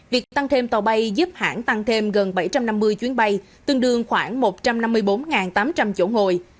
việc tăng thêm tàu bay giúp hãng tăng thêm gần bảy trăm năm mươi chuyến bay tương đương khoảng một trăm năm mươi bốn tám trăm linh chỗ ngồi